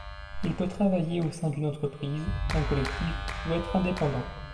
Il peut travailler au sein d'une entreprise, d'un collectif ou être indépendant.